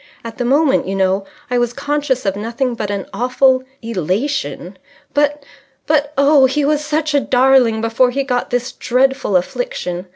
"At the moment, you know, I was conscious of nothing but an awful elation. But but oh, he was such a darling before he got this dreadful affliction.